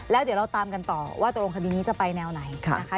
แล้วเดี๋ยวเราตามกันต่อว่าตกลงคดีนี้จะไปแนวไหนนะคะ